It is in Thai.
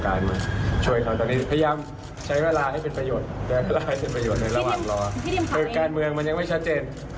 คือการเมืองมันยังไม่ชัดเจน